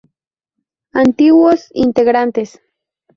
Antiguos integrantes